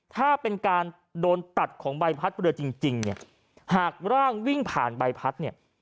ถ้าเป็นการโดนตัดของใบพัดเรือจริงหากร่างวิ่งผ่านใบพัด